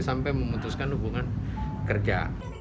sampai memutuskan hubungan kerja